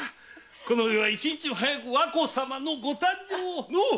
このうえは一日も早く和子様のご誕生を！